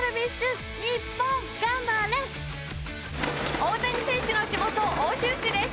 大谷選手の地元奥州市です。